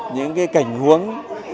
những cái cảnh huống